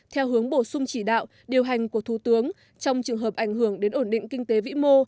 theo hướng bổ sung chỉ đạo điều hành của thủ tướng trong trường hợp ảnh hưởng đến ổn định kinh tế vĩ mô